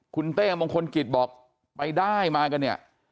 คุณเต้มงคลกิจบอกไปได้มากันเนี่ย